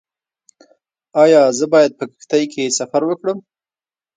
ایا زه باید په کښتۍ کې سفر وکړم؟